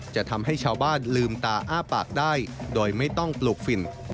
จะทำให้ชาวบ้านลืมตาอ้าปากได้โดยไม่ต้องปลูกฝิ่น